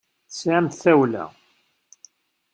Tesɛamt tawla.